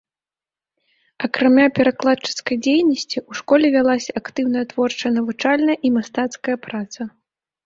Акрамя перакладчыцкай дзейнасці, у школе вялася актыўная творчая, навучальная і мастацкая праца.